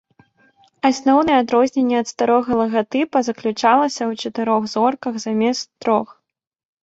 Асноўнае адрозненне ад старога лагатыпа заключалася ў чатырох зорках замест трох.